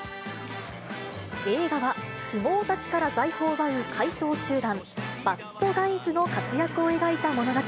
映画は、富豪たちから財宝を奪う怪盗集団、バッドガイズの活躍を描いた物語。